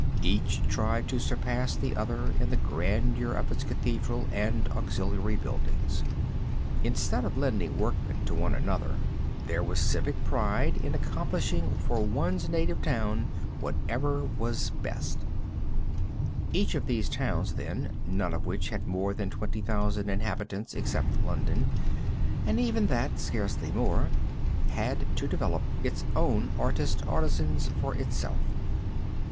Each tried to surpass the other in the grandeur of its cathedral and auxiliary buildings. Instead of lending workmen to one another there was a civic pride in accomplishing for one's native town whatever was best. PULPIT (PISANO, SIENA) Each of these towns, then, none of which had more than twenty thousand inhabitants except London, and even that scarcely more, had to develop its own artist artisans for itself.